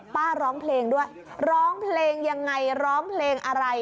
ป้าร้องเพลงด้วยร้องเพลงยังไงร้องเพลงอะไร